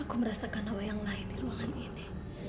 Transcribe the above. aku merasakan hal yang lain di ruangan ini